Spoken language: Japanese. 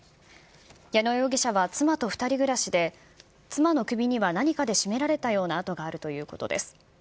矢野容疑者は妻と２人暮らしで、妻の首には何かで絞められたような痕があるということです。